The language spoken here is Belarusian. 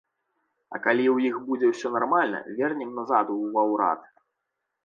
А калі ў іх будзе ўсё нармальна, вернем назад ва ўрад.